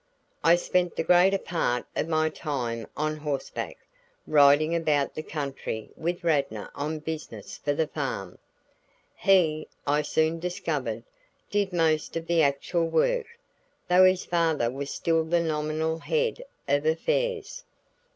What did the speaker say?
I spent the greater part of my time on horseback, riding about the country with Radnor on business for the farm. He, I soon discovered, did most of the actual work, though his father was still the nominal head of affairs.